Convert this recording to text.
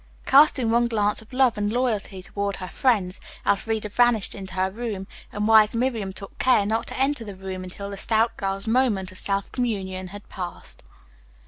Casting one glance of love and loyalty toward her friends, Elfreda vanished into her room, and wise Miriam took care not to enter the room until the stout girl's moment of self communion had passed.